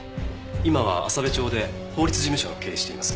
今は朝部町で法律事務所を経営しています。